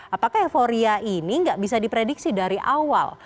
apakah euforia ini nggak bisa diprediksi dari awal